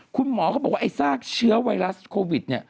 คุณหมอเขาบอกว่าไอ้ซากเชื้อไวรัสโควิดเนี่ย